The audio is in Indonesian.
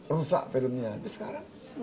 rusak filmnya tapi sekarang